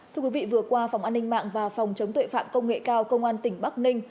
thưa quý vị vừa qua phòng an ninh mạng và phòng chống tuệ phạm công nghệ cao công an tỉnh bắc ninh